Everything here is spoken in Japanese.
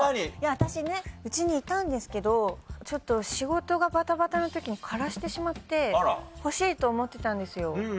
私ね家にいたんですけどちょっと仕事がバタバタの時に枯らしてしまって欲しいと思ってたんですよ。